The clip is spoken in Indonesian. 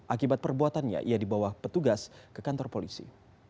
akibat perbuatannya ia dibawa petugas ke kantor polisi